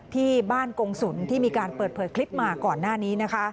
ที่บ้านกงศุลที่มีการเปิดเผยคลิปมาก่อนหน้านี้นะคะ